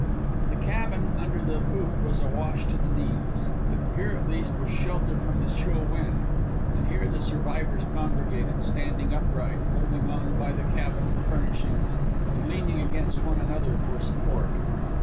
The cabin under the poop was awash to the knees, but here at least was shelter from the chill wind, and here the survivors congregated, standing upright, holding on by the cabin furnishings, and leaning against one another for support.